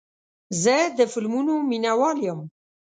زه د فلمونو مینهوال یم.